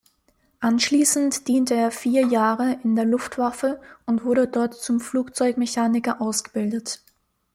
Anschließend diente er vier Jahre in der Luftwaffe und wurde dort zum Flugzeugmechaniker ausgebildet.